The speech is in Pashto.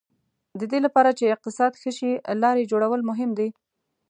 د دې لپاره چې اقتصاد ښه شي لارې جوړول مهم دي.